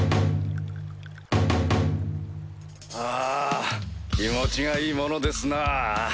あ気持ちがいいものですなぁ。